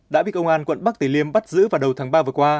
đã bị công an quận bắc tử liêm bắt giữ vào đầu tháng ba vừa qua